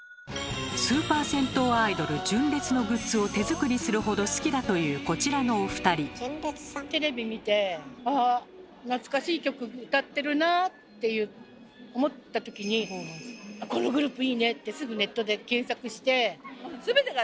スーパー銭湯アイドル純烈のグッズを手作りするほど好きだというこちらのお二人。って思ったときに「このグループいいね！」ってすぐネットで検索して。